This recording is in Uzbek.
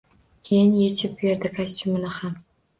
Keyin yechib berdi kostyumini ham.